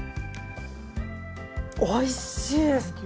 おいしいです。